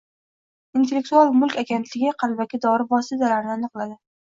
Intellektual mulk agentligi qalbaki dori vositalarini aniqlading